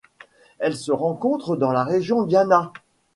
Elle se rencontre dans la région Diana.